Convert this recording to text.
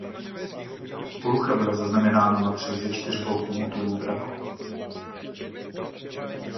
Porucha byla zaznamenána na třech ze čtyř bloků motorů Draco.